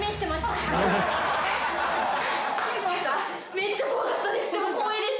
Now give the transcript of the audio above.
めっちゃ怖かったです。